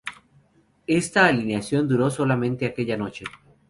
Esta alineación duró solamente aquella noche.